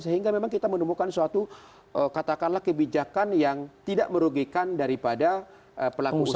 sehingga memang kita menemukan suatu katakanlah kebijakan yang tidak merugikan daripada pelaku usaha